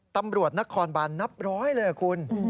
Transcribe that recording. ตำรวจนักคลอร์นบ้านนับร้อยเลยคุณ